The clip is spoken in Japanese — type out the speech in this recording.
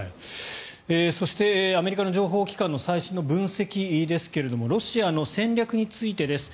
そして、アメリカの情報機関の最新の分析ですがロシアの戦略についてです。